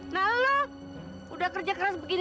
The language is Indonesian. nah lo udah kerja keras begini